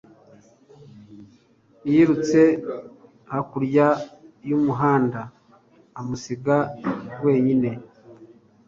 Yirutse hakurya y'umuhanda, amusiga wenyine.